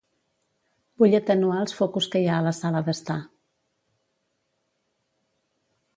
Vull atenuar els focus que hi ha a la sala d'estar.